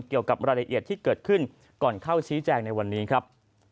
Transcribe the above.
เกี่ยวกับรายละเอียดที่เกิดขึ้นก่อนเข้าชี้แจงในวันนี้ครับ